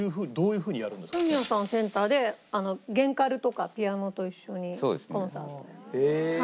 フミヤさんセンターで弦カルとかピアノと一緒にコンサートやって。